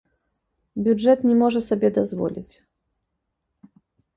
Бюджэт не можа сабе дазволіць.